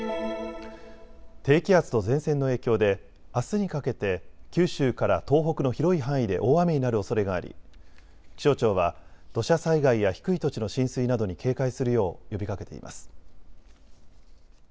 低気圧と前線の影響であすにかけて九州から東北の広い範囲で大雨になるおそれがあり気象庁は土砂災害や低い土地の浸水などに警戒するよう呼びかけています。